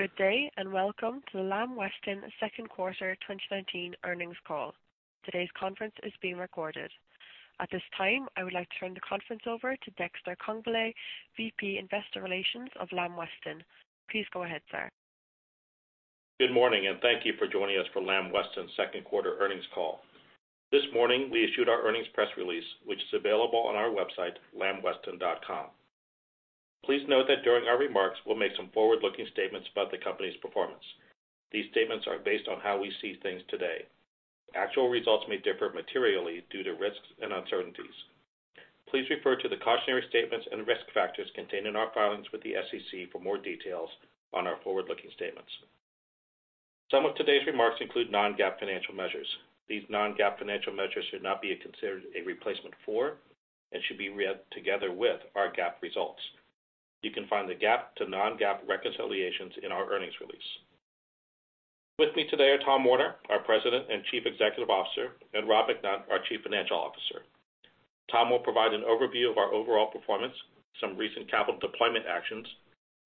Good day, welcome to the Lamb Weston second quarter 2019 earnings call. Today's conference is being recorded. At this time, I would like to turn the conference over to Dexter Congbalay, VP Investor Relations of Lamb Weston. Please go ahead, sir. Good morning, thank you for joining us for Lamb Weston's second quarter earnings call. This morning, we issued our earnings press release, which is available on our website, lambweston.com. Please note that during our remarks, we'll make some forward-looking statements about the company's performance. These statements are based on how we see things today. Actual results may differ materially due to risks and uncertainties. Please refer to the cautionary statements and risk factors contained in our filings with the SEC for more details on our forward-looking statements. Some of today's remarks include non-GAAP financial measures. These non-GAAP financial measures should not be considered a replacement for, and should be read together with, our GAAP results. You can find the GAAP to non-GAAP reconciliations in our earnings release. With me today are Tom Werner, our President and Chief Executive Officer, and Robert McNutt, our Chief Financial Officer. Tom will provide an overview of our overall performance, some recent capital deployment actions,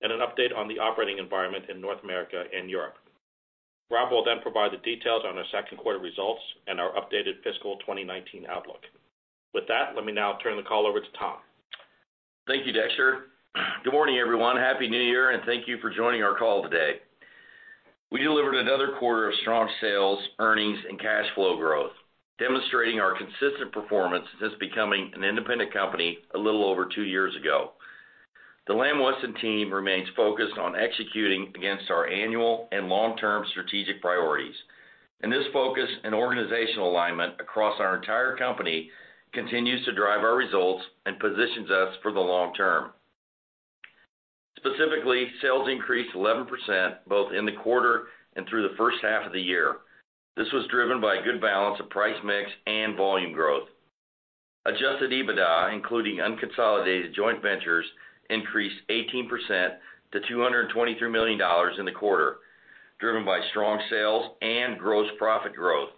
and an update on the operating environment in North America and Europe. Rob will provide the details on our second quarter results and our updated fiscal 2019 outlook. With that, let me now turn the call over to Tom. Thank you, Dexter. Good morning, everyone. Happy New Year, thank you for joining our call today. We delivered another quarter of strong sales, earnings, and cash flow growth, demonstrating our consistent performance since becoming an independent company a little over two years ago. The Lamb Weston team remains focused on executing against our annual and long-term strategic priorities, this focus and organizational alignment across our entire company continues to drive our results and positions us for the long term. Specifically, sales increased 11%, both in the quarter and through the first half of the year. This was driven by a good balance of price mix and volume growth. Adjusted EBITDA, including unconsolidated joint ventures, increased 18% to $223 million in the quarter, driven by strong sales and gross profit growth.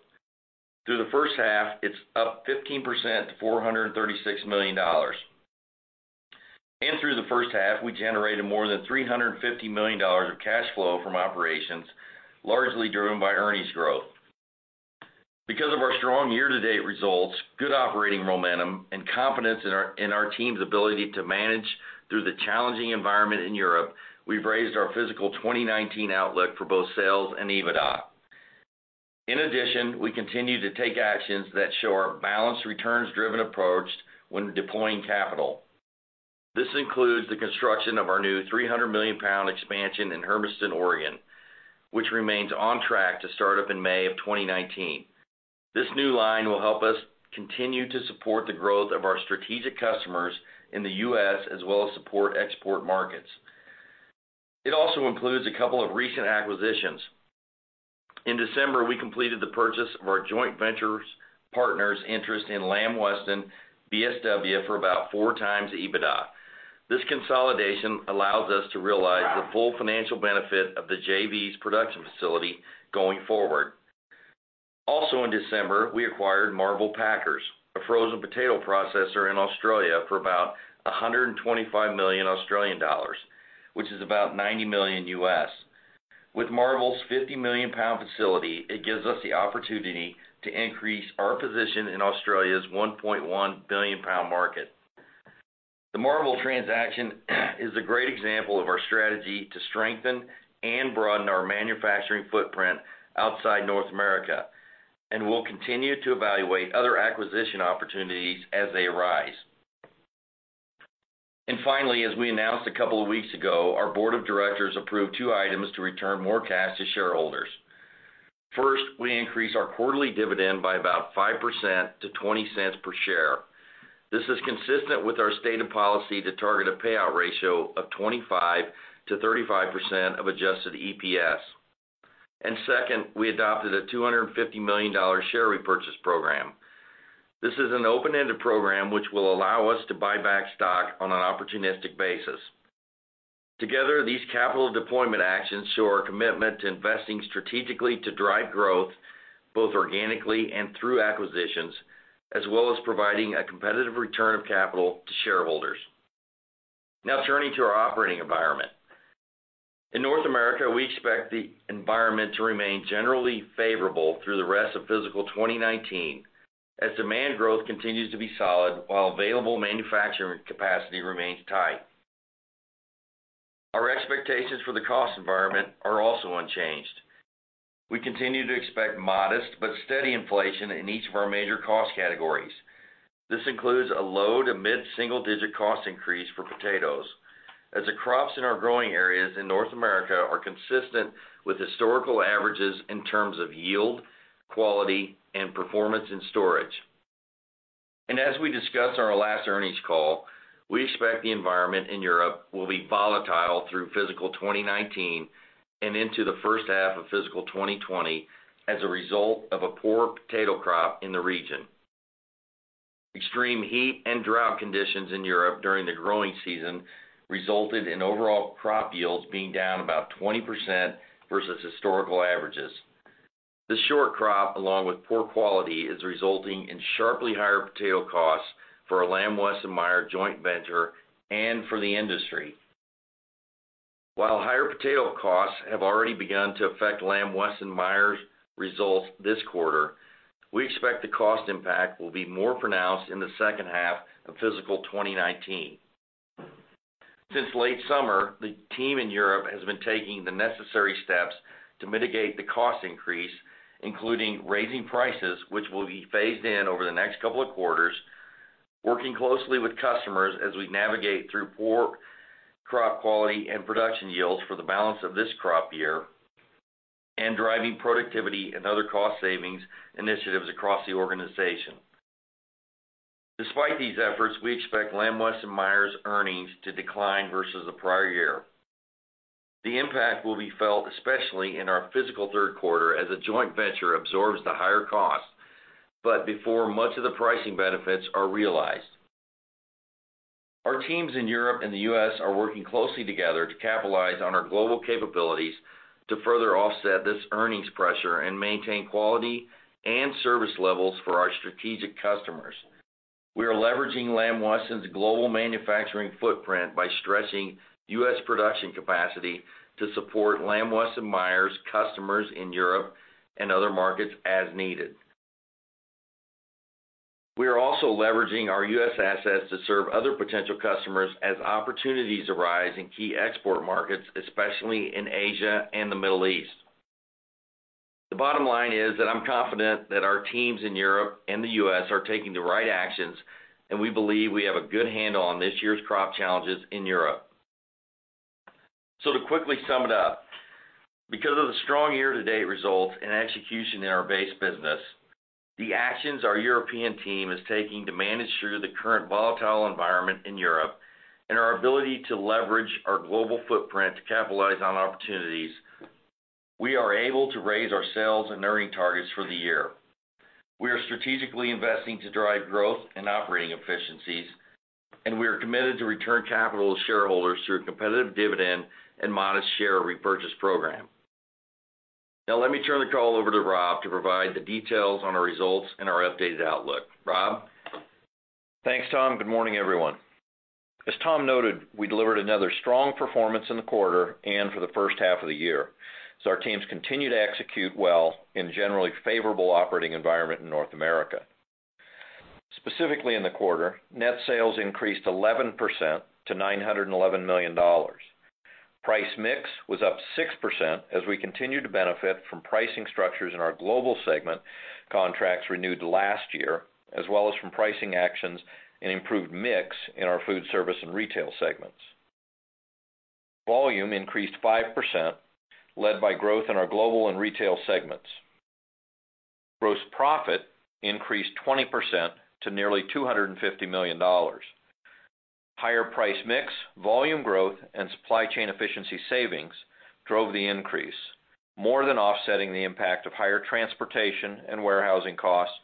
Through the first half, it's up 15% to $436 million. Through the first half, we generated more than $350 million of cash flow from operations, largely driven by earnings growth. Because of our strong year-to-date results, good operating momentum, and confidence in our team's ability to manage through the challenging environment in Europe, we've raised our fiscal 2019 outlook for both sales and EBITDA. In addition, we continue to take actions that show our balanced, returns-driven approach when deploying capital. This includes the construction of our new 300 million pound expansion in Hermiston, Oregon, which remains on track to start up in May of 2019. This new line will help us continue to support the growth of our strategic customers in the U.S., as well as support export markets. It also includes a couple of recent acquisitions. In December, we completed the purchase of our joint venture partner's interest in Lamb Weston BSW for about four times EBITDA. In December, we acquired Marvel Packers, a frozen potato processor in Australia, for about 125 million Australian dollars, which is about $90 million. With Marvel's 50 million pound facility, it gives us the opportunity to increase our position in Australia's 1.1 billion pound market. The Marvel transaction is a great example of our strategy to strengthen and broaden our manufacturing footprint outside North America and we'll continue to evaluate other acquisition opportunities as they arise. Finally, as we announced a couple of weeks ago, our board of directors approved two items to return more cash to shareholders. First, we increased our quarterly dividend by about 5% to $0.20 per share. This is consistent with our stated policy to target a payout ratio of 25%-35% of adjusted EPS. Second, we adopted a $250 million share repurchase program. This is an open-ended program which will allow us to buy back stock on an opportunistic basis. Together, these capital deployment actions show our commitment to investing strategically to drive growth, both organically and through acquisitions, as well as providing a competitive return of capital to shareholders. Turning to our operating environment. In North America, we expect the environment to remain generally favorable through the rest of fiscal 2019 as demand growth continues to be solid while available manufacturing capacity remains tight. Our expectations for the cost environment are also unchanged. We continue to expect modest but steady inflation in each of our major cost categories. This includes a low to mid-single digit cost increase for potatoes as the crops in our growing areas in North America are consistent with historical averages in terms of yield, quality, and performance in storage. As we discussed on our last earnings call, we expect the environment in Europe will be volatile through fiscal 2019 and into the first half of fiscal 2020 as a result of a poor potato crop in the region. Extreme heat and drought conditions in Europe during the growing season resulted in overall crop yields being down about 20% versus historical averages. The short crop, along with poor quality, is resulting in sharply higher potato costs for our Lamb Weston / Meijer joint venture and for the industry. While higher potato costs have already begun to affect Lamb Weston / Meijer's results this quarter, we expect the cost impact will be more pronounced in the second half of fiscal 2019. Since late summer, the team in Europe has been taking the necessary steps to mitigate the cost increase, including raising prices, which will be phased in over the next couple of quarters, working closely with customers as we navigate through poor crop quality and production yields for the balance of this crop year, and driving productivity and other cost savings initiatives across the organization. Despite these efforts, we expect Lamb Weston / Meijer's earnings to decline versus the prior year. The impact will be felt especially in our fiscal third quarter as the joint venture absorbs the higher cost, but before much of the pricing benefits are realized. Our teams in Europe and the U.S. are working closely together to capitalize on our global capabilities to further offset this earnings pressure and maintain quality and service levels for our strategic customers. We are leveraging Lamb Weston's global manufacturing footprint by stretching U.S. production capacity to support Lamb Weston / Meijer's customers in Europe and other markets as needed. We are also leveraging our U.S. assets to serve other potential customers as opportunities arise in key export markets, especially in Asia and the Middle East. The bottom line is that I'm confident that our teams in Europe and the U.S. are taking the right actions, and we believe we have a good handle on this year's crop challenges in Europe. To quickly sum it up, because of the strong year-to-date results and execution in our base business, the actions our European team is taking to manage through the current volatile environment in Europe, and our ability to leverage our global footprint to capitalize on opportunities, we are able to raise our sales and earnings targets for the year. We are strategically investing to drive growth and operating efficiencies, and we are committed to return capital to shareholders through a competitive dividend and modest share repurchase program. Now, let me turn the call over to Rob to provide the details on our results and our updated outlook. Rob? Thanks, Tom. Good morning, everyone. As Tom noted, we delivered another strong performance in the quarter and for the first half of the year as our teams continue to execute well in the generally favorable operating environment in North America. Specifically in the quarter, net sales increased 11% to $911 million. Price mix was up 6% as we continue to benefit from pricing structures in our global segment contracts renewed last year, as well as from pricing actions and improved mix in our foodservice and retail segments. Volume increased 5%, led by growth in our global and retail segments. Gross profit increased 20% to nearly $250 million. Higher price mix, volume growth, and supply chain efficiency savings drove the increase, more than offsetting the impact of higher transportation and warehousing costs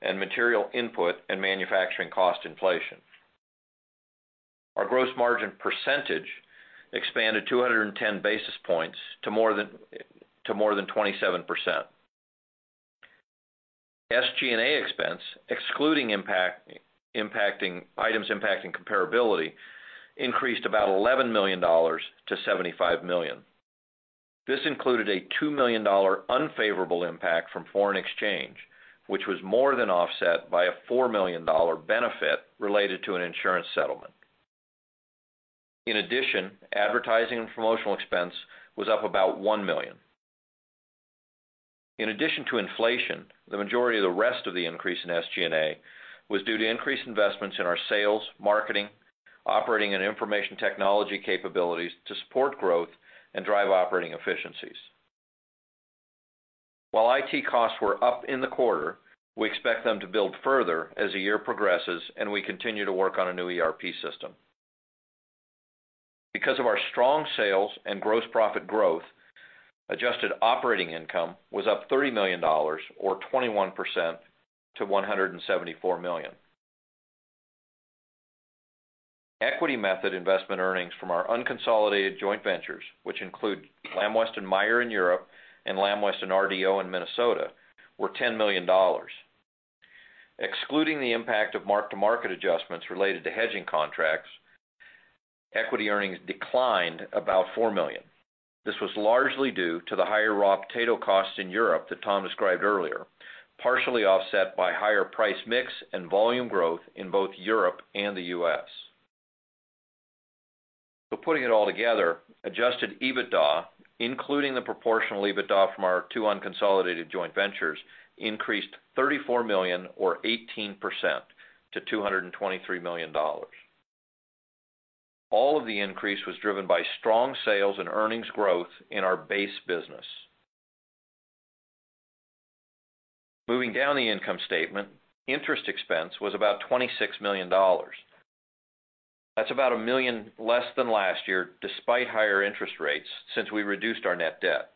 and material input and manufacturing cost inflation. Our gross margin percentage expanded 210 basis points to more than 27%. SG&A expense, excluding items impacting comparability, increased about $11 million to $75 million. This included a $2 million unfavorable impact from foreign exchange, which was more than offset by a $4 million benefit related to an insurance settlement. In addition, advertising and promotional expense was up about $1 million. In addition to inflation, the majority of the rest of the increase in SG&A was due to increased investments in our sales, marketing, operating, and information technology capabilities to support growth and drive operating efficiencies. While IT costs were up in the quarter, we expect them to build further as the year progresses and we continue to work on a new ERP system. Because of our strong sales and gross profit growth, adjusted operating income was up $30 million or 21% to $174 million. Equity method investment earnings from our unconsolidated joint ventures, which include Lamb Weston / Meijer in Europe and Lamb Weston RDO in Minnesota, were $10 million. Excluding the impact of mark-to-market adjustments related to hedging contracts, equity earnings declined about $4 million. This was largely due to the higher raw potato costs in Europe that Tom described earlier, partially offset by higher price mix and volume growth in both Europe and the U.S. Putting it all together, adjusted EBITDA, including the proportional EBITDA from our two unconsolidated joint ventures, increased $34 million or 18% to $223 million. All of the increase was driven by strong sales and earnings growth in our base business. Moving down the income statement, interest expense was about $26 million. That's about $1 million less than last year, despite higher interest rates, since we reduced our net debt.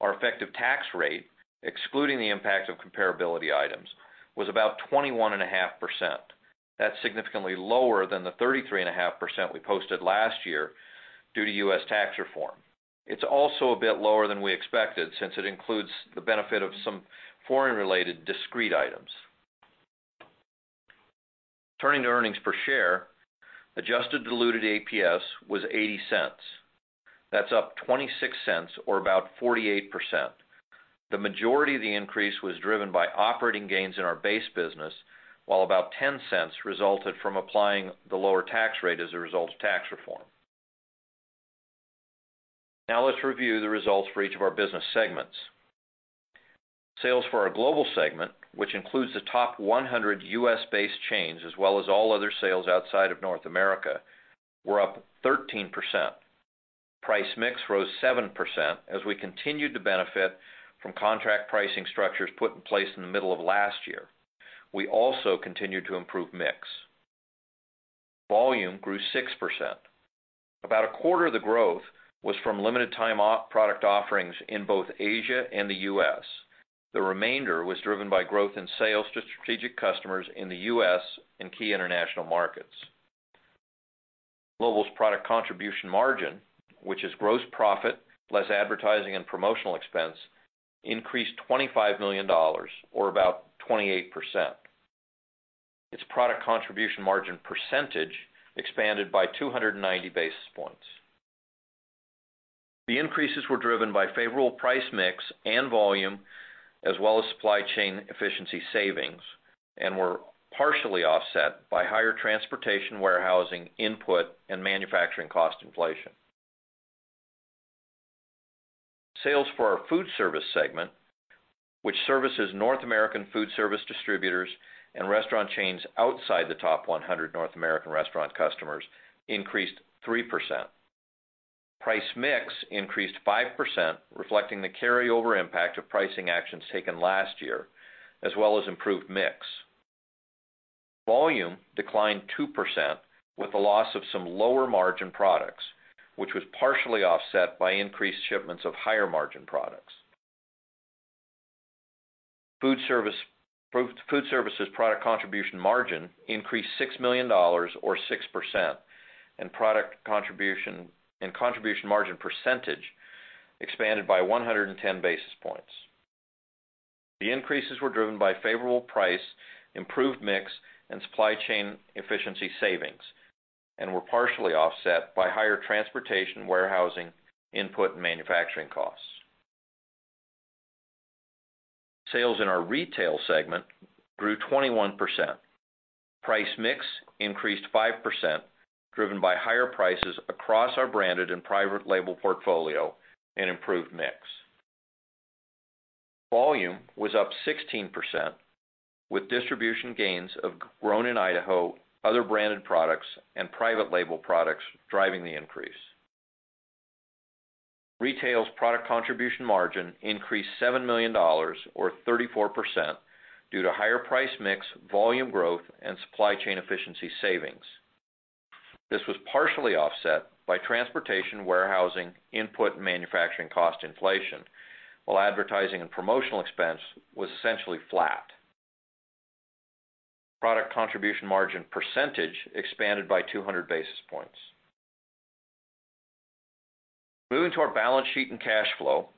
Our effective tax rate, excluding the impact of comparability items, was about 21.5%. That's significantly lower than the 33.5% we posted last year due to U.S. tax reform. It's also a bit lower than we expected, since it includes the benefit of some foreign-related discrete items. Turning to earnings per share, adjusted diluted EPS was $0.80. That's up $0.26 or about 48%. The majority of the increase was driven by operating gains in our base business, while about $0.10 resulted from applying the lower tax rate as a result of tax reform. Let's review the results for each of our business segments. Sales for our global segment, which includes the top 100 U.S.-based chains, as well as all other sales outside of North America, were up 13%. Price mix rose 7% as we continued to benefit from contract pricing structures put in place in the middle of last year. We also continued to improve mix. Volume grew 6%. About a quarter of the growth was from limited time product offerings in both Asia and the U.S. The remainder was driven by growth in sales to strategic customers in the U.S. and key international markets. Global's product contribution margin, which is gross profit less advertising and promotional expense, increased $25 million or about 28%. Its product contribution margin percentage expanded by 290 basis points. The increases were driven by favorable price mix and volume, as well as supply chain efficiency savings, and were partially offset by higher transportation, warehousing, input, and manufacturing cost inflation. Sales for our food service segment, which services North American food service distributors and restaurant chains outside the top 100 North American restaurant customers, increased 3%. Price mix increased 5%, reflecting the carryover impact of pricing actions taken last year, as well as improved mix. Volume declined 2% with the loss of some lower margin products, which was partially offset by increased shipments of higher margin products. Food service's product contribution margin increased $6 million or 6%, and contribution margin percentage expanded by 110 basis points. The increases were driven by favorable price, improved mix, and supply chain efficiency savings, and were partially offset by higher transportation, warehousing, input, and manufacturing costs. Sales in our retail segment grew 21%. Price mix increased 5%, driven by higher prices across our branded and private label portfolio and improved mix. Volume was up 16%, with distribution gains of Grown in Idaho, other branded products, and private label products driving the increase. Retail's product contribution margin increased $7 million or 34% due to higher price mix, volume growth, and supply chain efficiency savings. This was partially offset by transportation, warehousing, input, and manufacturing cost inflation, while advertising and promotional expense was essentially flat. Product contribution margin percentage expanded by 200 basis points. Moving to our balance sheet and cash flow,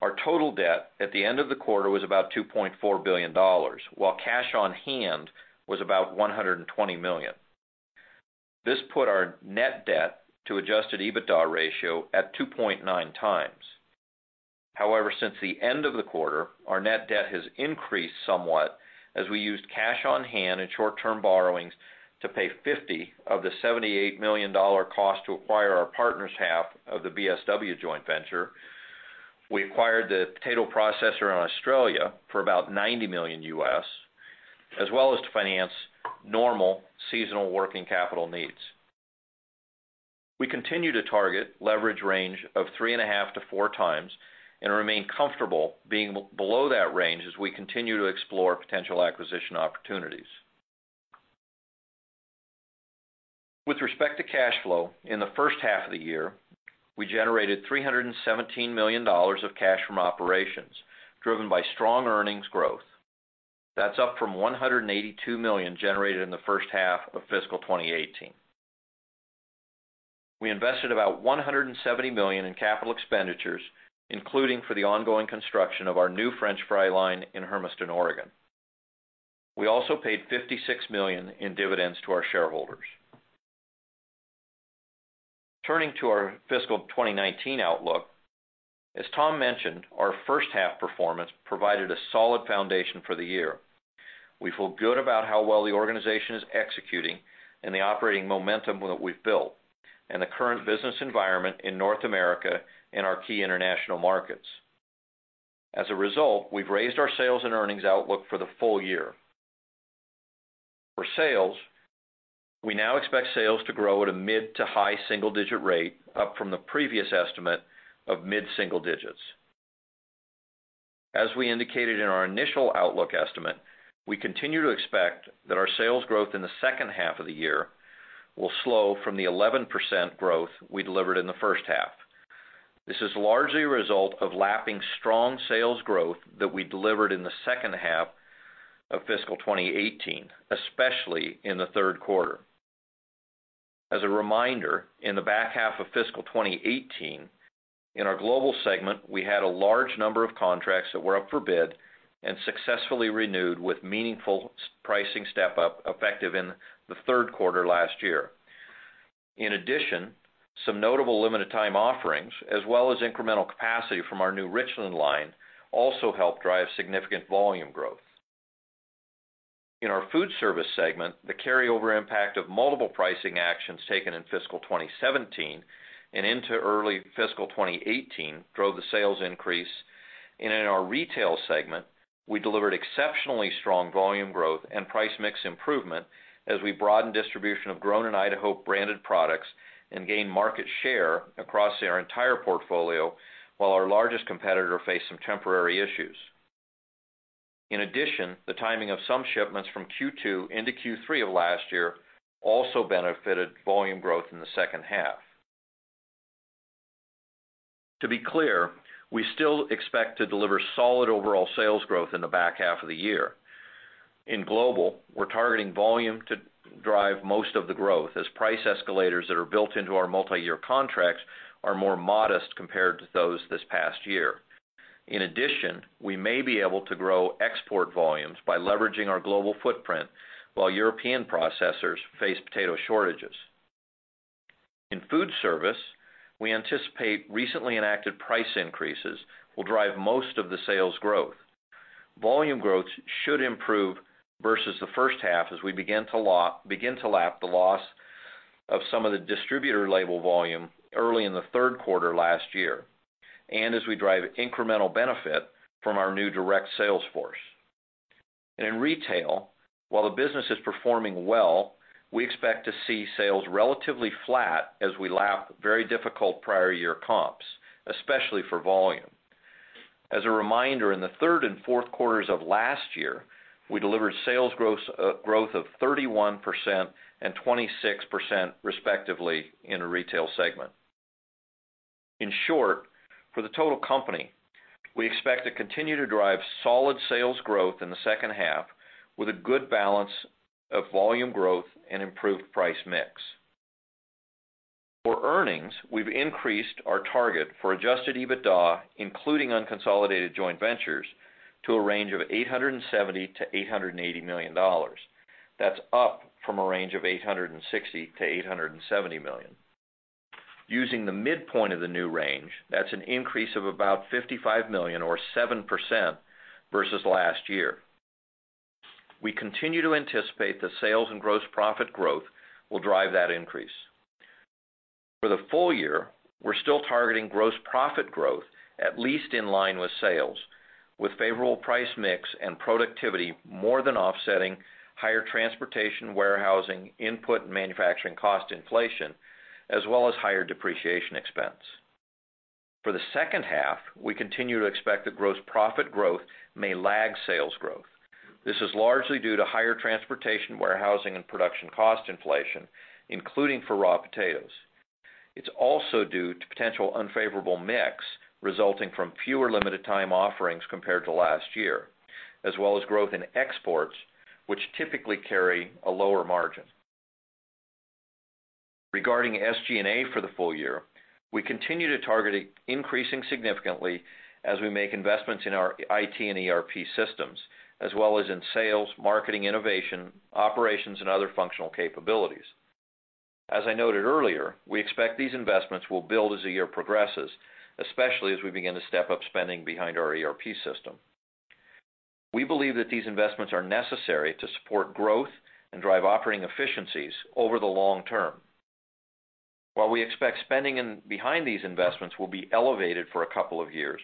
our total debt at the end of the quarter was about $2.4 billion, while cash on hand was about $120 million. This put our net debt to adjusted EBITDA ratio at 2.9 times. However, since the end of the quarter, our net debt has increased somewhat as we used cash on hand and short-term borrowings to pay $50 million of the $78 million cost to acquire our partner's half of the BSW joint venture. We acquired the potato processor in Australia for about $90 million US, as well as to finance normal seasonal working capital needs. We continue to target leverage range of 3.5x-4x and remain comfortable being below that range as we continue to explore potential acquisition opportunities. With respect to cash flow, in the first half of the year, we generated $317 million of cash from operations, driven by strong earnings growth. That's up from $182 million generated in the first half of fiscal 2018. We invested about $170 million in capital expenditures, including for the ongoing construction of our new french fry line in Hermiston, Oregon. We also paid $56 million in dividends to our shareholders. Turning to our fiscal 2019 outlook, as Tom mentioned, our first half performance provided a solid foundation for the year. We feel good about how well the organization is executing and the operating momentum that we've built and the current business environment in North America and our key international markets. As a result, we've raised our sales and earnings outlook for the full year. For sales, we now expect sales to grow at a mid to high single digit rate, up from the previous estimate of mid single digits. As we indicated in our initial outlook estimate, we continue to expect that our sales growth in the second half of the year will slow from the 11% growth we delivered in the first half. This is largely a result of lapping strong sales growth that we delivered in the second half of fiscal 2018, especially in the third quarter. As a reminder, in the back half of fiscal 2018, in our global segment, we had a large number of contracts that were up for bid and successfully renewed with meaningful pricing step-up effective in the third quarter last year. In addition, some notable limited time offerings, as well as incremental capacity from our new Richland line, also helped drive significant volume growth. In our food service segment, the carryover impact of multiple pricing actions taken in fiscal 2017 and into early fiscal 2018 drove the sales increase. In our retail segment, we delivered exceptionally strong volume growth and price mix improvement as we broadened distribution of Grown in Idaho branded products and gained market share across our entire portfolio while our largest competitor faced some temporary issues. In addition, the timing of some shipments from Q2 into Q3 of last year also benefited volume growth in the second half. To be clear, we still expect to deliver solid overall sales growth in the back half of the year. In global, we're targeting volume to drive most of the growth as price escalators that are built into our multi-year contracts are more modest compared to those this past year. In addition, we may be able to grow export volumes by leveraging our global footprint while European processors face potato shortages. In food service, we anticipate recently enacted price increases will drive most of the sales growth. Volume growth should improve versus the first half as we begin to lap the loss of some of the distributor label volume early in the third quarter last year, as we drive incremental benefit from our new direct sales force. In retail, while the business is performing well, we expect to see sales relatively flat as we lap very difficult prior year comps, especially for volume. As a reminder, in the third and fourth quarters of last year, we delivered sales growth of 31% and 26% respectively in the retail segment. In short, for the total company, we expect to continue to drive solid sales growth in the second half with a good balance of volume growth and improved price mix. For earnings, we've increased our target for adjusted EBITDA, including unconsolidated joint ventures, to a range of $870 million-$880 million. That's up from a range of $860 million-$870 million. Using the midpoint of the new range, that's an increase of about $55 million or 7% versus last year. We continue to anticipate that sales and gross profit growth will drive that increase. For the full year, we're still targeting gross profit growth at least in line with sales, with favorable price mix and productivity more than offsetting higher transportation, warehousing, input, and manufacturing cost inflation, as well as higher depreciation expense. For the second half, we continue to expect that gross profit growth may lag sales growth. This is largely due to higher transportation, warehousing, and production cost inflation, including for raw potatoes. It's also due to potential unfavorable mix resulting from fewer limited time offerings compared to last year, as well as growth in exports, which typically carry a lower margin. Regarding SG&A for the full year, we continue to target it increasing significantly as we make investments in our IT and ERP systems, as well as in sales, marketing, innovation, operations, and other functional capabilities. As I noted earlier, we expect these investments will build as the year progresses, especially as we begin to step up spending behind our ERP system. We believe that these investments are necessary to support growth and drive operating efficiencies over the long term. While we expect spending behind these investments will be elevated for a couple of years,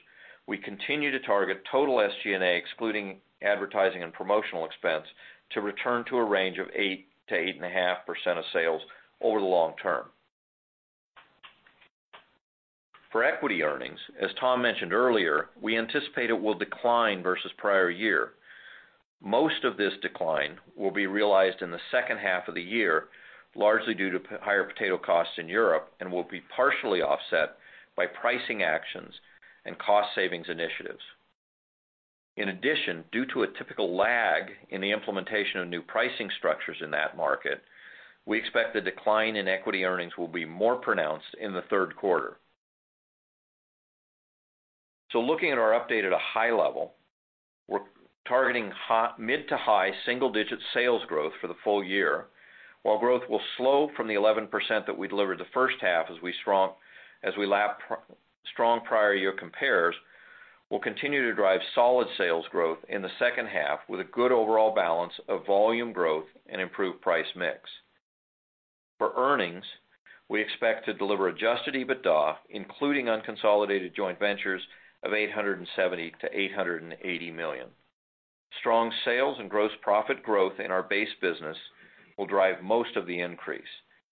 we continue to target total SG&A, excluding advertising and promotional expense, to return to a range of 8%-8.5% of sales over the long term. For equity earnings, as Tom mentioned earlier, we anticipate it will decline versus prior year. Most of this decline will be realized in the second half of the year, largely due to higher potato costs in Europe and will be partially offset by pricing actions and cost savings initiatives. In addition, due to a typical lag in the implementation of new pricing structures in that market, we expect the decline in equity earnings will be more pronounced in the third quarter. Looking at our update at a high level, we're targeting mid to high single-digit sales growth for the full year. While growth will slow from the 11% that we delivered the first half as we lap strong prior year compares, we'll continue to drive solid sales growth in the second half with a good overall balance of volume growth and improved price mix. For earnings, we expect to deliver adjusted EBITDA, including unconsolidated joint ventures, of $870 million-$880 million. Strong sales and gross profit growth in our base business will drive most of the increase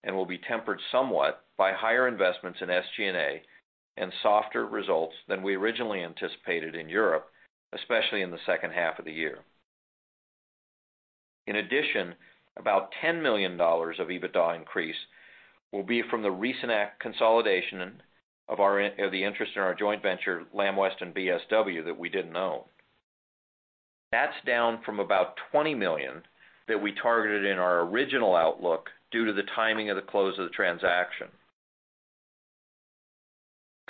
and will be tempered somewhat by higher investments in SG&A and softer results than we originally anticipated in Europe, especially in the second half of the year. In addition, about $10 million of EBITDA increase will be from the recent consolidation of the interest in our joint venture, Lamb Weston BSW, that we didn't own. That's down from about $20 million that we targeted in our original outlook due to the timing of the close of the transaction.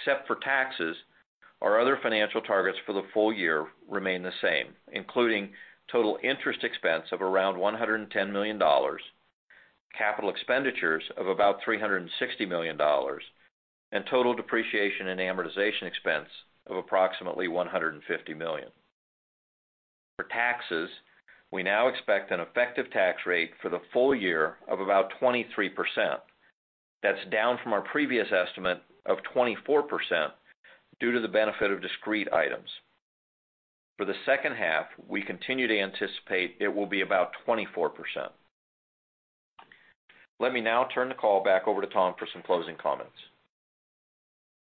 Except for taxes, our other financial targets for the full year remain the same, including total interest expense of around $110 million, capital expenditures of about $360 million, and total depreciation and amortization expense of approximately $150 million. For taxes, we now expect an effective tax rate for the full year of about 23%. That's down from our previous estimate of 24% due to the benefit of discrete items. For the second half, we continue to anticipate it will be about 24%. Let me now turn the call back over to Tom for some closing comments.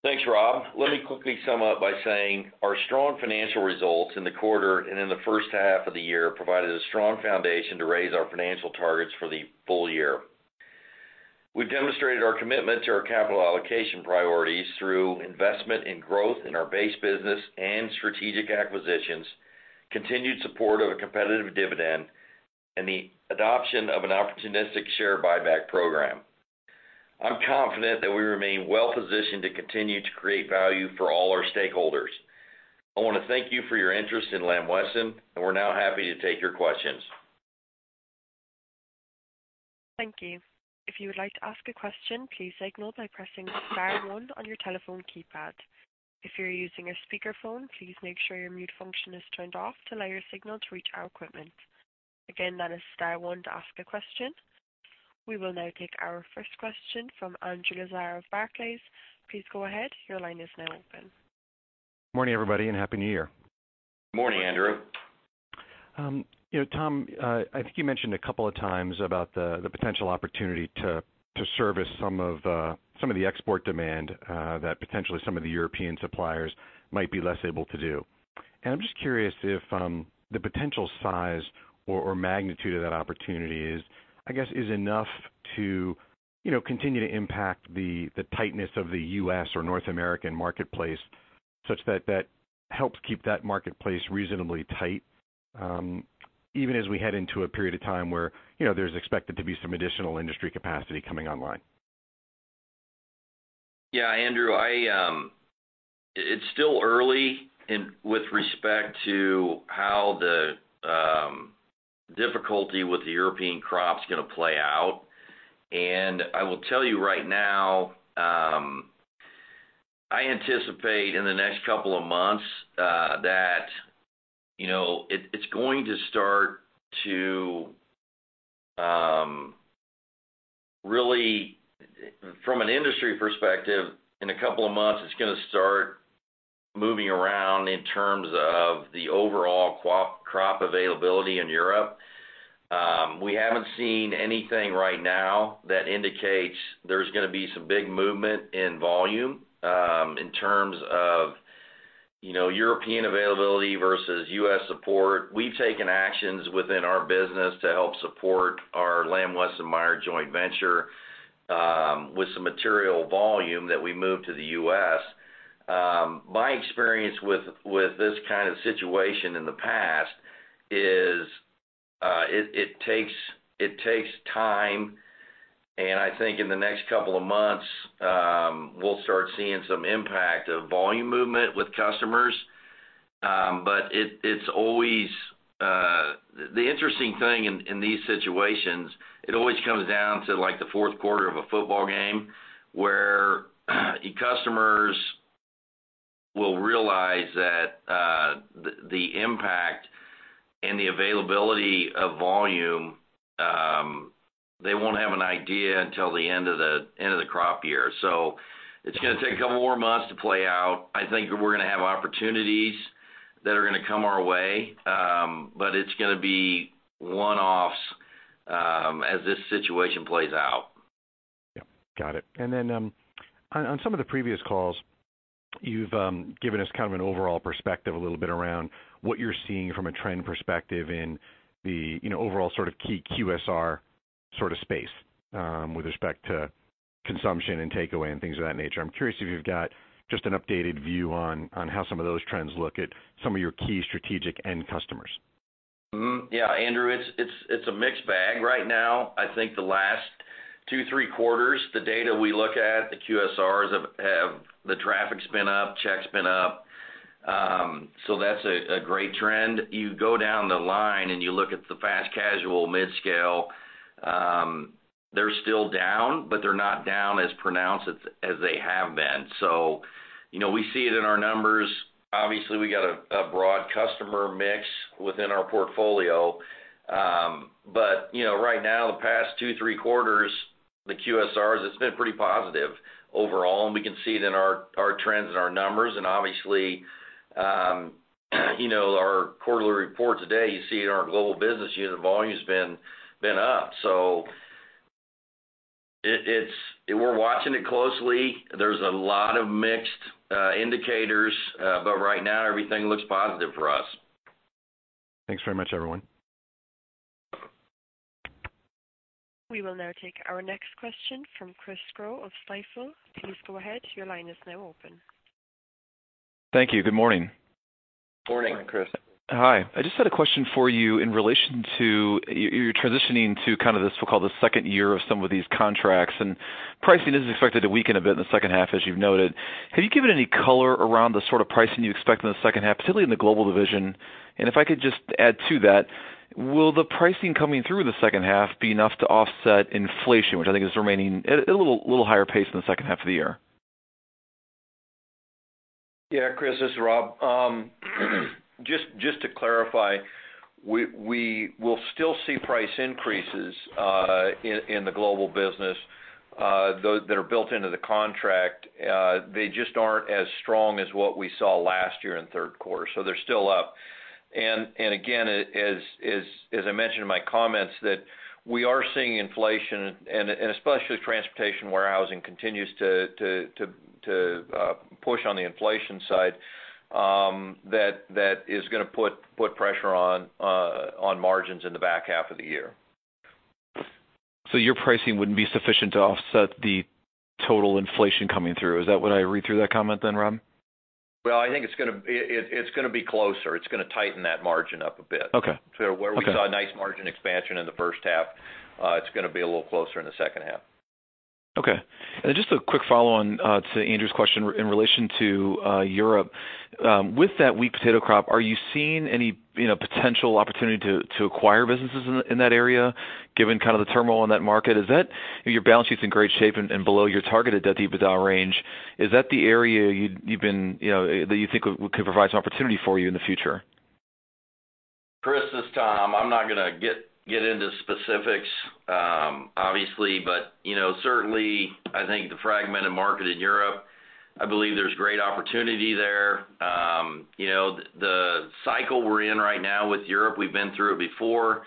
Thanks, Rob. Let me quickly sum up by saying our strong financial results in the quarter and in the first half of the year provided a strong foundation to raise our financial targets for the full year. We've demonstrated our commitment to our capital allocation priorities through investment in growth in our base business and strategic acquisitions, continued support of a competitive dividend, and the adoption of an opportunistic share buyback program. I'm confident that we remain well-positioned to continue to create value for all our stakeholders. I want to thank you for your interest in Lamb Weston, and we're now happy to take your questions. Thank you. If you would like to ask a question, please signal by pressing star one on your telephone keypad. If you're using a speakerphone, please make sure your mute function is turned off to allow your signal to reach our equipment. Again, that is star one to ask a question. We will now take our first question from Andrew Lazar of Barclays. Please go ahead. Your line is now open. Morning, everybody, and happy New Year. Morning, Andrew. Tom, I think you mentioned a couple of times about the potential opportunity to service some of the export demand that potentially some of the European suppliers might be less able to do. I'm just curious if the potential size or magnitude of that opportunity is enough to continue to impact the tightness of the U.S. or North American marketplace, such that that helps keep that marketplace reasonably tight even as we head into a period of time where there's expected to be some additional industry capacity coming online. Andrew, it's still early with respect to how the difficulty with the European crop's going to play out. I will tell you right now, I anticipate in the next couple of months that it's going to start to really, from an industry perspective, in a couple of months, it's going to start moving around in terms of the overall crop availability in Europe. We haven't seen anything right now that indicates there's going to be some big movement in volume in terms of European availability versus U.S. support. We've taken actions within our business to help support our Lamb Weston / Meijer joint venture with some material volume that we moved to the U.S. My experience with this kind of situation in the past is it takes time, and I think in the next couple of months, we'll start seeing some impact of volume movement with customers. The interesting thing in these situations, it always comes down to the fourth quarter of a football game where customers will realize that the impact and the availability of volume, they won't have an idea until the end of the crop year. It's going to take a couple more months to play out. I think we're going to have opportunities that are going to come our way, but it's going to be one-offs as this situation plays out. Got it. On some of the previous calls, you've given us kind of an overall perspective a little bit around what you're seeing from a trend perspective in the overall sort of key QSR sort of space with respect to consumption and takeaway and things of that nature. I'm curious if you've got just an updated view on how some of those trends look at some of your key strategic end customers. Andrew, it's a mixed bag right now. I think the last two, three quarters, the data we look at, the QSRs, the traffic's been up, check's been up. That's a great trend. You go down the line and you look at the fast casual mid-scale, they're still down, but they're not down as pronounced as they have been. We see it in our numbers. Obviously, we got a broad customer mix within our portfolio. Right now, the past two, three quarters, the QSRs, it's been pretty positive overall, and we can see it in our trends and our numbers. Obviously, our quarterly report today, you see it in our global business unit volume has been up. We're watching it closely. There's a lot of mixed indicators, but right now everything looks positive for us. Thanks very much, everyone. We will now take our next question from Chris Growe of Stifel. Please go ahead. Your line is now open. Thank you. Good morning. Morning. Morning, Chris. Hi. I just had a question for you in relation to you're transitioning to this, we'll call the second year of some of these contracts, and pricing is expected to weaken a bit in the second half, as you've noted. Can you give any color around the sort of pricing you expect in the second half, particularly in the global division? If I could just add to that, will the pricing coming through the second half be enough to offset inflation, which I think is remaining at a little higher pace than the second half of the year? Yeah. Chris, this is Rob. Just to clarify, we will still see price increases in the global business, those that are built into the contract. They just aren't as strong as what we saw last year in third quarter. They're still up. Again, as I mentioned in my comments, that we are seeing inflation and especially with transportation, warehousing continues to push on the inflation side, that is going to put pressure on margins in the back half of the year. Your pricing wouldn't be sufficient to offset the total inflation coming through. Is that what I read through that comment then, Rob? Well, I think it's going to be closer. It's going to tighten that margin up a bit. Okay. Where we saw a nice margin expansion in the first half, it's going to be a little closer in the second half. Okay. Just a quick follow-on to Andrew's question in relation to Europe. With that weak potato crop, are you seeing any potential opportunity to acquire businesses in that area, given the turmoil in that market? Your balance sheet's in great shape and below your targeted debt EBITDA range. Is that the area that you think could provide some opportunity for you in the future? Chris, this is Tom. I'm not going to get into specifics, obviously, but certainly, I think the fragmented market in Europe, I believe there's great opportunity there. The cycle we're in right now with Europe, we've been through it before.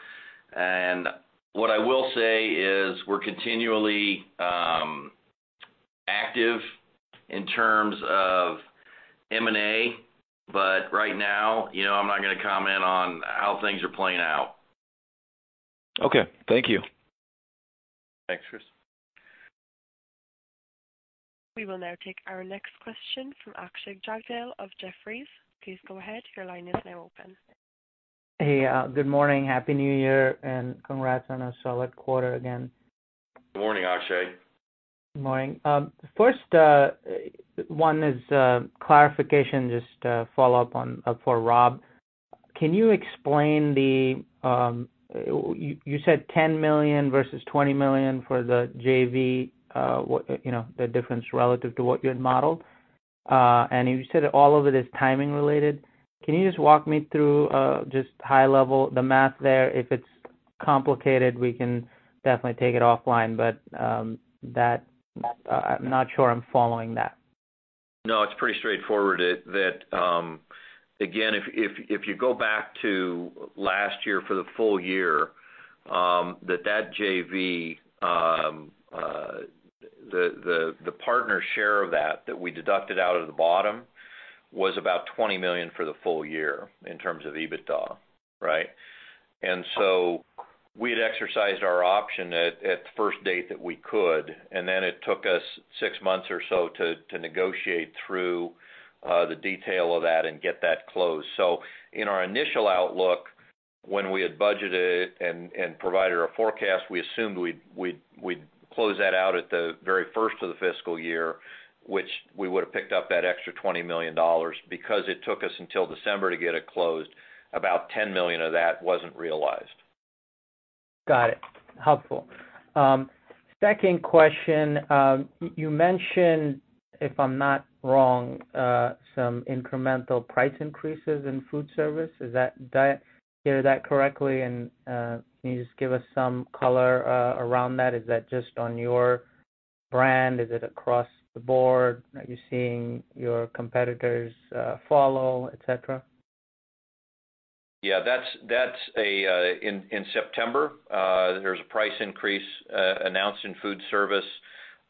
What I will say is we're continually active in terms of M&A. Right now, I'm not going to comment on how things are playing out. Okay. Thank you. Thanks, Chris. We will now take our next question from Akshay Jagdale of Jefferies. Please go ahead. Your line is now open. Hey, good morning. Happy New Year. Congrats on a solid quarter again. Good morning, Akshay. Good morning. First one is clarification, just a follow-up for Rob. You said $10 million versus $20 million for the JV, the difference relative to what you had modeled. You said all of it is timing related. Can you just walk me through, just high level, the math there? If it's complicated, we can definitely take it offline, but I'm not sure I'm following that. No, it's pretty straightforward. Again, if you go back to last year for the full year, the partner share of that we deducted out of the bottom was about $20 million for the full year in terms of EBITDA, right? We had exercised our option at the first date that we could, and then it took us six months or so to negotiate through the detail of that and get that closed. In our initial outlook, when we had budgeted and provided our forecast, we assumed we'd close that out at the very first of the fiscal year, which we would have picked up that extra $20 million. Because it took us until December to get it closed, about $10 million of that wasn't realized. Got it. Helpful. Second question. You mentioned, if I'm not wrong, some incremental price increases in food service. Did I hear that correctly? Can you just give us some color around that? Is that just on your brand? Is it across the board? Are you seeing your competitors follow, et cetera? In September, there's a price increase announced in food service.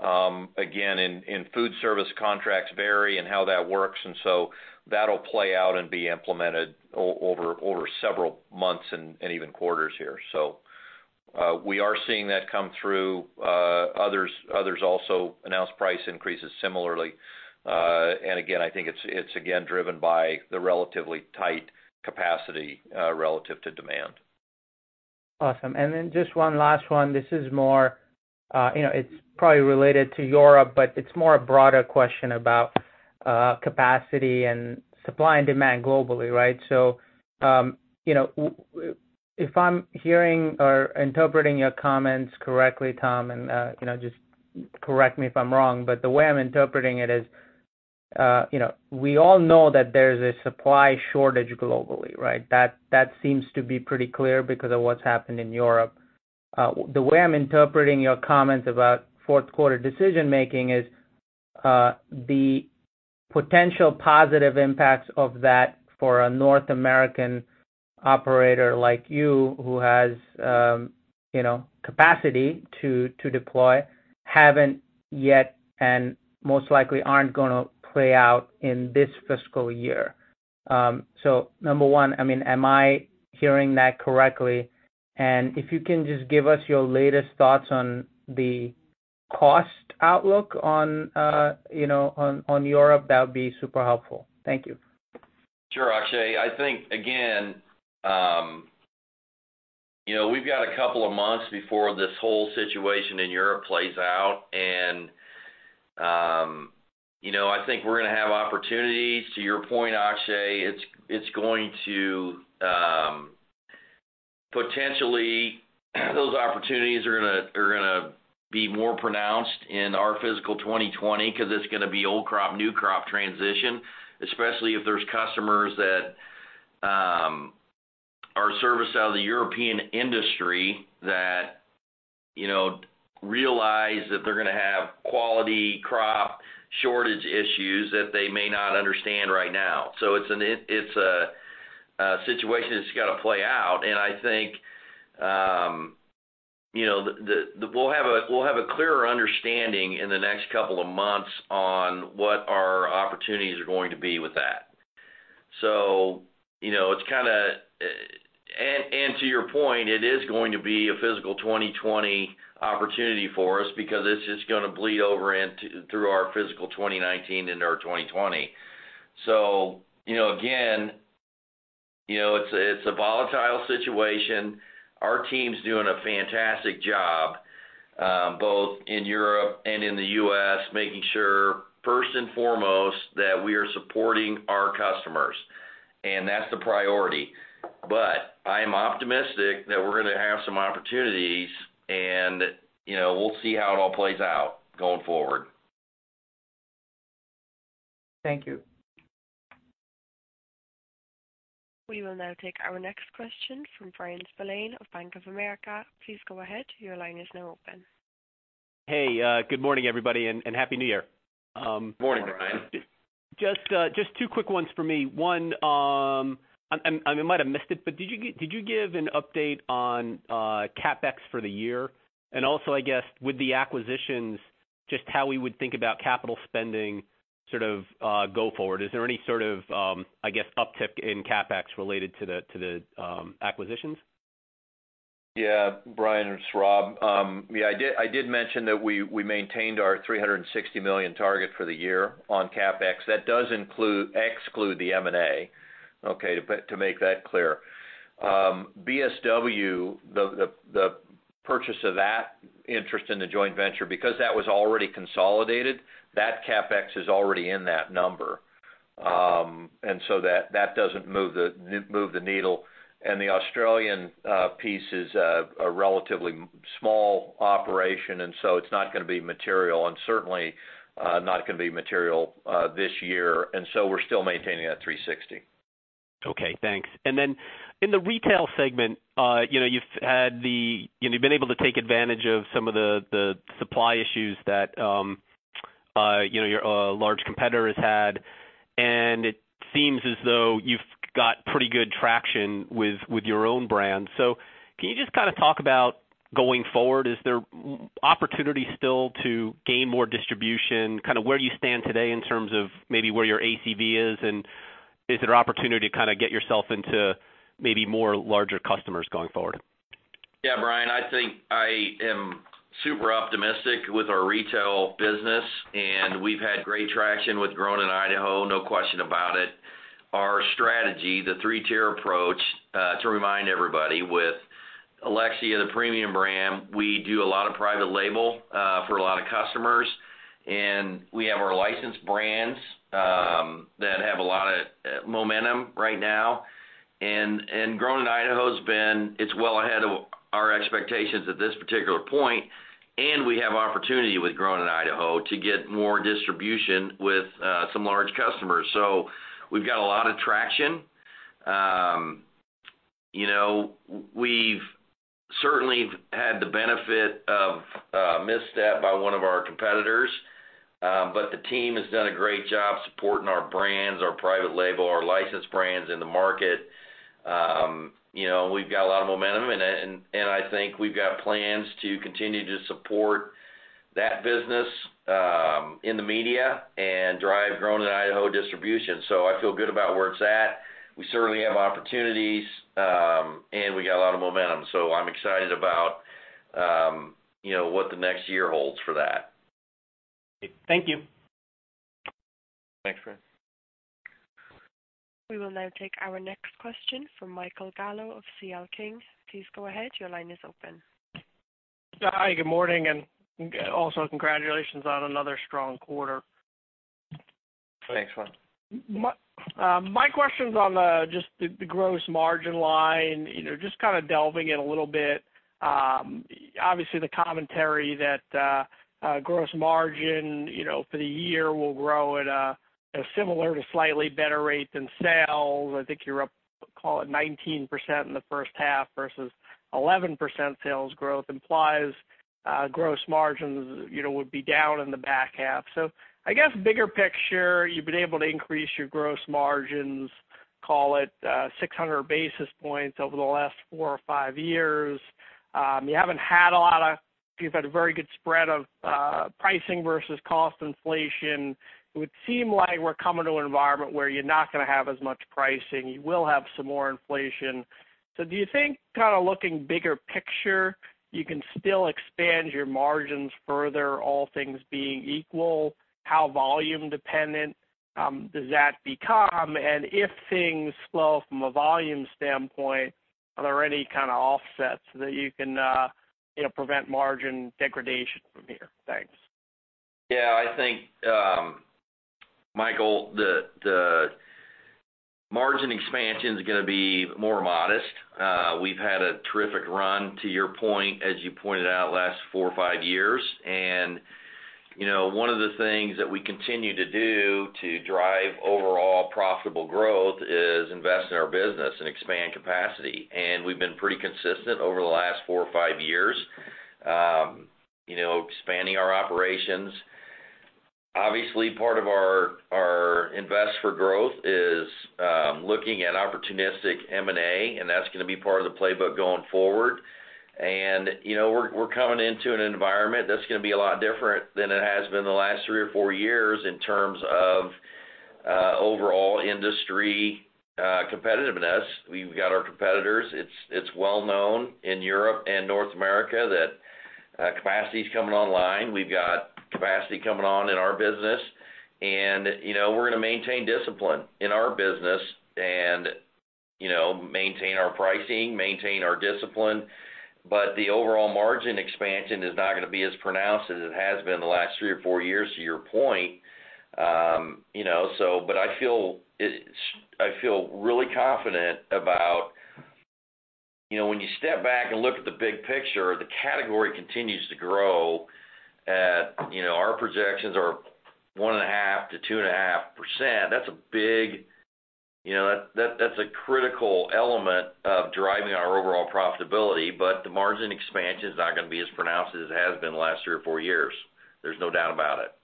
In food service, contracts vary and how that works, that'll play out and be implemented over several months and even quarters here. We are seeing that come through. Others also announced price increases similarly. I think it's again driven by the relatively tight capacity, relative to demand. Awesome. Just one last one. It's probably related to Europe, but it's more a broader question about capacity and supply and demand globally, right? If I'm hearing or interpreting your comments correctly, Tom, and just correct me if I'm wrong, the way I'm interpreting it is, we all know that there's a supply shortage globally, right? That seems to be pretty clear because of what's happened in Europe. The way I'm interpreting your comments about fourth quarter decision-making is the potential positive impacts of that for a North American operator like you, who has capacity to deploy, haven't yet and most likely aren't going to play out in this fiscal year. Number one, am I hearing that correctly? If you can just give us your latest thoughts on the cost outlook on Europe, that would be super helpful. Thank you. Sure, Akshay. I think, again, we've got a couple of months before this whole situation in Europe plays out, I think we're going to have opportunities. To your point, Akshay, potentially those opportunities are going to be more pronounced in our fiscal 2020, because it's going to be old crop, new crop transition, especially if there's customers that are serviced out of the European industry that realize that they're going to have quality crop shortage issues that they may not understand right now. It's a situation that's got to play out, I think we'll have a clearer understanding in the next couple of months on what our opportunities are going to be with that. To your point, it is going to be a fiscal 2020 opportunity for us because it's just going to bleed over through our fiscal 2019 into our 2020. Again, it's a volatile situation. Our team's doing a fantastic job, both in Europe and in the U.S., making sure, first and foremost, that we are supporting our customers, that's the priority. I am optimistic that we're going to have some opportunities, we'll see how it all plays out going forward. Thank you. We will now take our next question from Bryan Spillane of Bank of America. Please go ahead. Your line is now open. Hey, good morning, everybody, and Happy New Year. Morning, Bryan. Just two quick ones for me. I might have missed it, did you give an update on CapEx for the year? Also, I guess with the acquisitions, just how we would think about capital spending go forward. Is there any sort of uptick in CapEx related to the acquisitions? Bryan, it's Rob. I did mention that we maintained our $360 million target for the year on CapEx. That does exclude the M&A, okay? To make that clear. BSW, the purchase of that interest in the joint venture, because that was already consolidated, that CapEx is already in that number. So that doesn't move the needle. The Australian piece is a relatively small operation, and so it's not going to be material and certainly not going to be material this year. So we're still maintaining that $360 million. Okay, thanks. Then in the retail segment, you've been able to take advantage of some of the supply issues that your large competitor has had. It seems as though you've got pretty good traction with your own brand. Can you just kind of talk about going forward? Is there opportunity still to gain more distribution? Kind of where do you stand today in terms of maybe where your ACV is, and is it an opportunity to kind of get yourself into maybe more larger customers going forward? Bryan. I think I am super optimistic with our retail business, and we've had great traction with Grown in Idaho, no question about it. Our strategy, the three-tier approach, to remind everybody, with Alexia, the premium brand, we do a lot of private label for a lot of customers. We have our licensed brands that have a lot of momentum right now. Grown in Idaho, it's well ahead of our expectations at this particular point. We have opportunity with Grown in Idaho to get more distribution with some large customers. We've got a lot of traction. We've certainly had the benefit of a misstep by one of our competitors. The team has done a great job supporting our brands, our private label, our licensed brands in the market. We've got a lot of momentum. I think we've got plans to continue to support that business in the media and drive Grown in Idaho distribution. I feel good about where it's at. We certainly have opportunities. We got a lot of momentum. I'm excited about what the next year holds for that. Thank you. Thanks, Bryan. We will now take our next question from Michael Gallo of C.L. King. Please go ahead. Your line is open. Hi, good morning, and also congratulations on another strong quarter. Thanks, Mike. My question's on just the gross margin line, just kind of delving in a little bit. Obviously, the commentary that gross margin for the year will grow at a similar to slightly better rate than sales. I think you're up call it 19% in the first half versus 11% sales growth implies gross margins would be down in the back half. I guess bigger picture, you've been able to increase your gross margins, call it 600 basis points over the last four or five years. You've had a very good spread of pricing versus cost inflation. It would seem like we're coming to an environment where you're not going to have as much pricing. You will have some more inflation. Do you think kind of looking bigger picture, you can still expand your margins further, all things being equal? How volume dependent does that become? If things slow from a volume standpoint, are there any kind of offsets that you can prevent margin degradation from here? Thanks. I think, Michael, the margin expansion is going to be more modest. We've had a terrific run, to your point, as you pointed out, last four or five years. One of the things that we continue to do to drive overall profitable growth is invest in our business and expand capacity. We've been pretty consistent over the last four or five years expanding our operations. Obviously, part of our invest for growth is looking at opportunistic M&A, that's going to be part of the playbook going forward. We're coming into an environment that's going to be a lot different than it has been the last three or four years in terms of overall industry competitiveness. We've got our competitors. It's well known in Europe and North America that capacity's coming online. We've got capacity coming on in our business, we're going to maintain discipline in our business and maintain our pricing, maintain our discipline. The overall margin expansion is not going to be as pronounced as it has been the last three or four years, to your point. I feel really confident about when you step back and look at the big picture, the category continues to grow at our projections are 1.5%-2.5%. That's a critical element of driving our overall profitability, but the margin expansion is not going to be as pronounced as it has been the last three or four years. There's no doubt about it.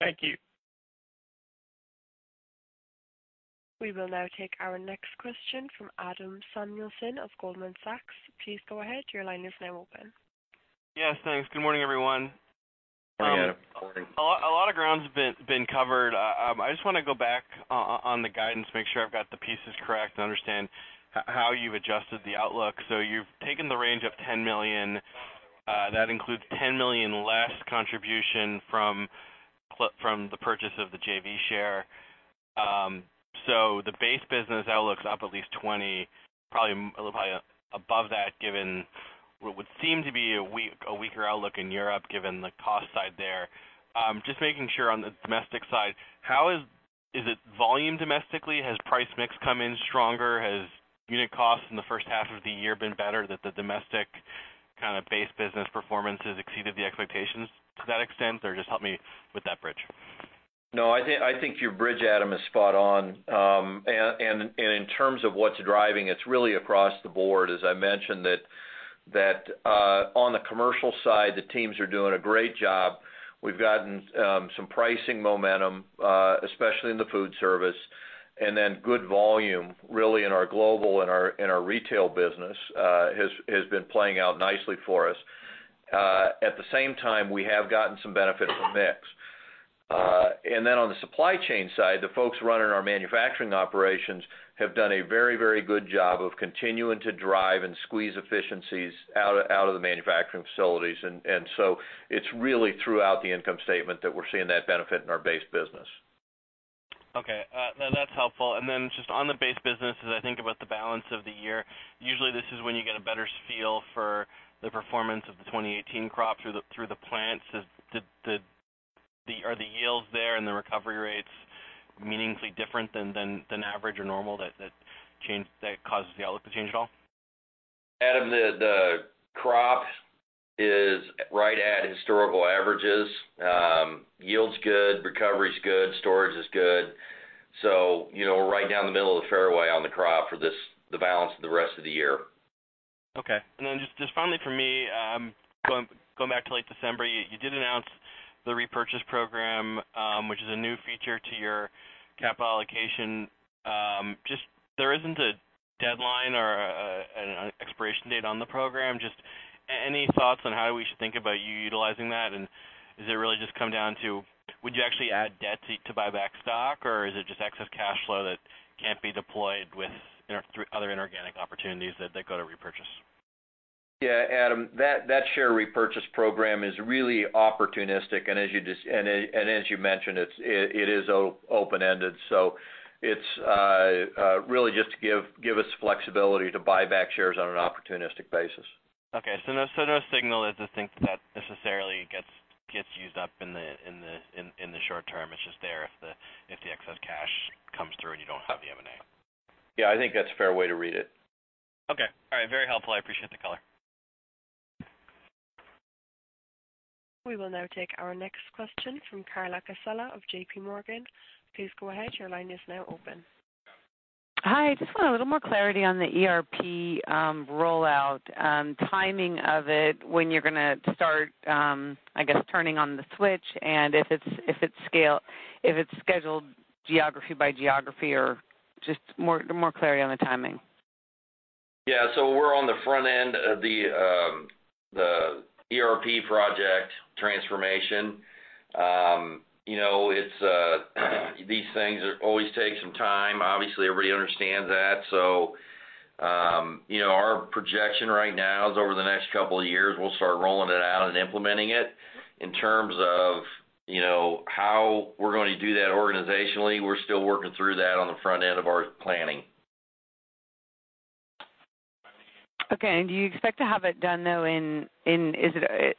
Thank you. We will now take our next question from Adam Samuelson of Goldman Sachs. Please go ahead. Your line is now open. Yes, thanks. Good morning, everyone. Morning, Adam. Good morning. A lot of ground has been covered. I just want to go back on the guidance, make sure I've got the pieces correct to understand how you've adjusted the outlook. You've taken the range of $10 million. That includes $10 million less contribution from the purchase of the JV share. The base business outlook's up at least 20, probably above that given what would seem to be a weaker outlook in Europe, given the cost side there. Just making sure on the domestic side, is it volume domestically? Has price mix come in stronger? Has unit costs in the first half of the year been better that the domestic kind of base business performance has exceeded the expectations to that extent? Just help me with that bridge? No, I think your bridge, Adam, is spot on. In terms of what's driving, it's really across the board. As I mentioned that on the commercial side, the teams are doing a great job. We've gotten some pricing momentum, especially in the food service, and then good volume really in our global and our retail business has been playing out nicely for us. At the same time, we have gotten some benefit from mix. On the supply chain side, the folks running our manufacturing operations have done a very good job of continuing to drive and squeeze efficiencies out of the manufacturing facilities. It's really throughout the income statement that we're seeing that benefit in our base business. Okay. No, that's helpful. Then just on the base business, as I think about the balance of the year, usually this is when you get a better feel for the performance of the 2018 crop through the plants. Are the yields there and the recovery rates meaningfully different than average or normal that causes the outlook to change at all? Adam, the crop is right at historical averages. Yield's good, recovery's good, storage is good. We're right down the middle of the fairway on the crop for the balance of the rest of the year. Okay. Then just finally for me, going back to late December, you did announce the repurchase program, which is a new feature to your cap allocation. There isn't a deadline or an expiration date on the program. Just any thoughts on how we should think about you utilizing that? Does it really just come down to, would you actually add debt to buy back stock, or is it just excess cash flow that can't be deployed with other inorganic opportunities that go to repurchase? Yeah, Adam, that share repurchase program is really opportunistic, and as you mentioned, it is open-ended, so it's really just to give us flexibility to buy back shares on an opportunistic basis. Okay, no signal as to think that necessarily gets used up in the short term. It's just there if the excess cash comes through and you don't have the M&A. Yeah, I think that's a fair way to read it. Okay. All right. Very helpful. I appreciate the color. We will now take our next question from Carla Casella of JPMorgan. Please go ahead, your line is now open. Hi. Just want a little more clarity on the ERP rollout, timing of it, when you're going to start, I guess, turning on the switch, and if it's scheduled geography by geography or just more clarity on the timing. Yeah. We're on the front end of the ERP project transformation. These things always take some time. Obviously, everybody understands that. Our projection right now is over the next couple of years, we'll start rolling it out and implementing it. In terms of how we're going to do that organizationally, we're still working through that on the front end of our planning. Okay. Do you expect to have it done, though, in the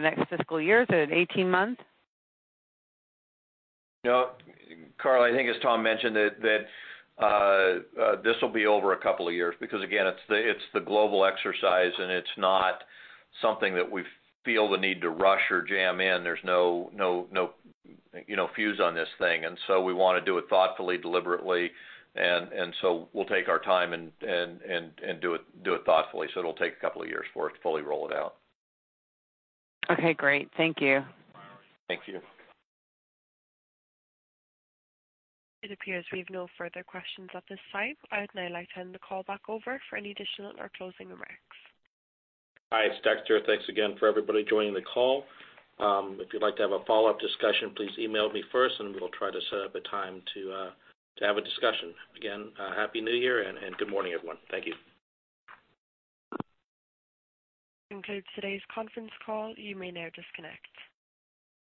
next fiscal year? Is it 18 months? No. Carla, I think as Tom mentioned, that this will be over a couple of years because, again, it's the global exercise, and it's not something that we feel the need to rush or jam in. There's no fuse on this thing. We want to do it thoughtfully, deliberately. We'll take our time and do it thoughtfully. It'll take a couple of years for us to fully roll it out. Okay, great. Thank you. Thank you. It appears we have no further questions at this time. I would now like to hand the call back over for any additional or closing remarks. Hi, it's Dexter. Thanks again for everybody joining the call. If you'd like to have a follow-up discussion, please email me first, and we'll try to set up a time to have a discussion. Again, Happy New Year and good morning, everyone. Thank you. That concludes today's conference call. You may now disconnect.